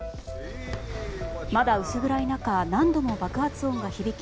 まだ薄暗い中何度も爆発音が響き